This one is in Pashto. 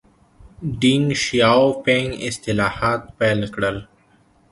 ډینګ شیاؤ پینګ اصلاحات پیل کړل.